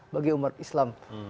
bagi umat islam